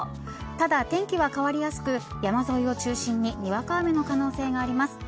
ただ、天気は変わりやすく山沿いを中心ににわか雨の可能性があります。